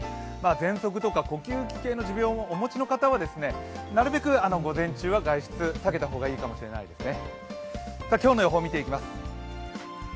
ぜんそくとか呼吸器系の持病をお持ちの方はなるべく午前中は外出避けた方がいいかもしれないですね。